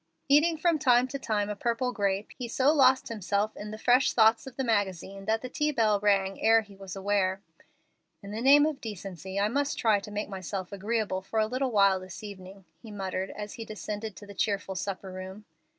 Eating from time to time a purple grape, he so lost himself in the fresh thoughts of the magazine that the tea bell rang ere he was aware. "In the name of decency I must try to make myself agreeable for a little while this evening," he muttered, as he descended to the cheerful supper room.